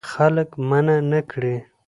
خلک منع نه کړې.